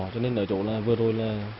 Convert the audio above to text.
cho nên ở chỗ vừa rồi